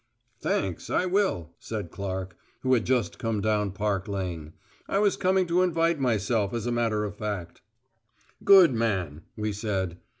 "Thanks, I will," said Clark, who had just come down Park Lane. "I was coming to invite myself, as a matter of fact." "Good man," we said.